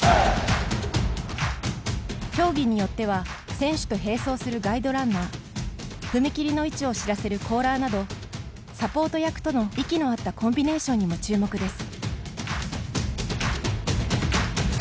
競技によっては選手と併走するガイドランナー踏み切りの位置を知らせるコーラーなどサポート役との息の合ったコンビネーションにも注目です。